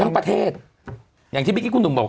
ทั้งประเทศอย่างที่บิ๊กิคุณหนุ่มบอก